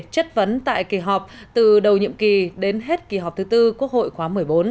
chất vấn tại kỳ họp từ đầu nhiệm kỳ đến hết kỳ họp thứ tư quốc hội khóa một mươi bốn